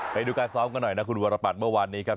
ไปดูการซ้อมกันหน่อยนะคุณวรปัตรเมื่อวานนี้ครับ